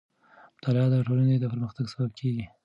مطالعه د ټولنې د پرمختګ سبب کېږي.